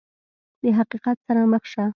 د حقیقت سره مخ شه !